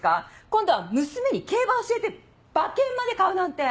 今度は娘に競馬教えて馬券まで買うなんて！